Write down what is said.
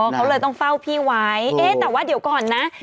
เขาเลยต้องเฝ้าพี่ไว้เอ๊ะแต่ว่าเดี๋ยวก่อนนะ